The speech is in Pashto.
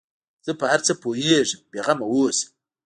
زه په هر څه پوهېږم بې غمه اوسه.